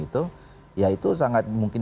itu ya itu sangat mungkin